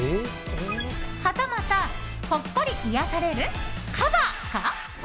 はたまた、ほっこり癒やされるカバか。